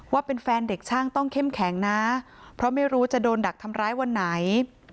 ว่าเป็นแฟนเด็กช่างต้องเข้มแข็งนะเพราะไม่รู้จะโดนดักทำร้ายวันไหน